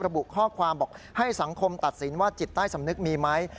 ระบุข้อความบอกให้สังคมตัดสินว่าจิตใต้สำนึกมีไหม